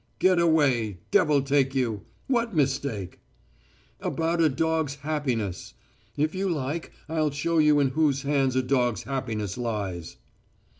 "Get away, devil take you! What mistake?" "About a dog's happiness. If you like, I'll show you in whose hands a dog's happiness lies."